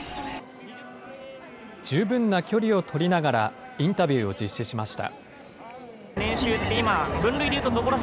十分な距離を取りながら、インタビューを実施しました。